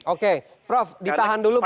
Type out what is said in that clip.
oke prof ditahan dulu